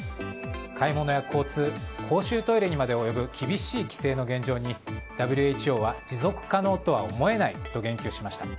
買い物や交通公衆トイレにまで及ぶ厳しい規制の現状にＷＨＯは持続可能とは思えないと言及しました。